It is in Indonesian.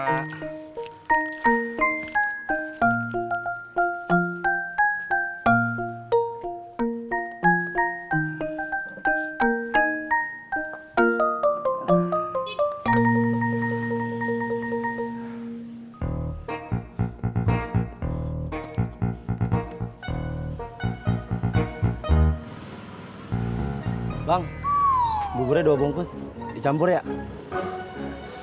hai bang buburnya dua bungkus dicampur ya iya mas